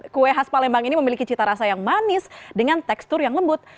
kue khas palembang ini memiliki cita rasa yang manis dengan tekstur yang lembut